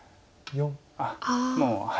あっもう。